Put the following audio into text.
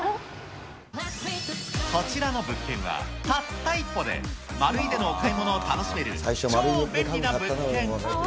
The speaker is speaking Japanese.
こちらの物件は、たった１歩で、マルイでのお買い物を楽しめる、超便利な物件。